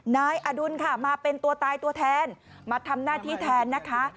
นายอดุลค่ะมาเป็นตัวตายตัวแทนมาทำหน้าที่แทนนะคะ